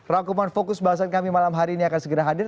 rangkuman fokus bahasan kami malam hari ini akan segera hadir